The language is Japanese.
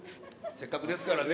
せっかくですからね。